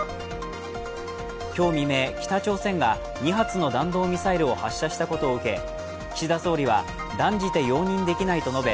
今日未明、北朝鮮が２発の弾道ミサイルを発射したことを受け、岸田総理は、断じて容認できないと述べ